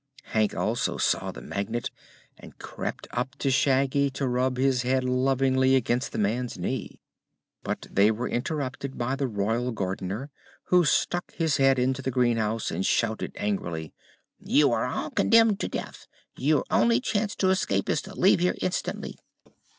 Hank also saw the Magnet and crept up to Shaggy to rub his head lovingly against the man's knee. But they were interrupted by the Royal Gardener, who stuck his head into the greenhouse and shouted angrily: "You are all condemned to death! Your only chance to escape is to leave here instantly."